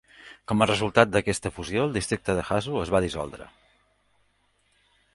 Com a resultat d"aquesta fusió, el districte de Hazu es va dissoldre.